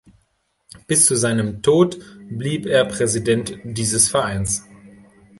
Bis zu seinem Tod blieb er Präsident dieses Vereins.